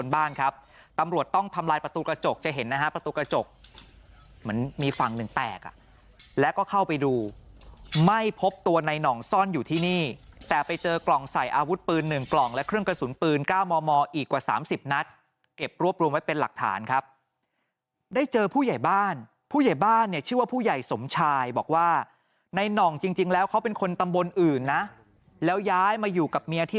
บ้านครับตำรวจต้องทำลายประตูกระจกจะเห็นนะฮะประตูกระจกเหมือนมีฝั่งหนึ่งแตกอ่ะแล้วก็เข้าไปดูไม่พบตัวในหน่องซ่อนอยู่ที่นี่แต่ไปเจอกล่องใส่อาวุธปืนหนึ่งกล่องและเครื่องกระสุนปืนก้าวมอมออีกกว่าสามสิบนัดเก็บรวบรวมไว้เป็นหลักฐานครับได้เจอผู้ใหญ่บ้านผู้ใหญ่บ้านเนี่ยชื่อว่าผู้ให